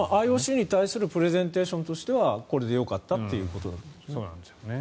ＩＯＣに対するプレゼンテーションとしてはこれでよかったということだと思います。